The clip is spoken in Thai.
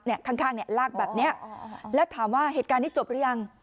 ข้างข้างเนี่ยลากแบบเนี้ยแล้วถามว่าเหตุการณ์นี้จบหรือยัง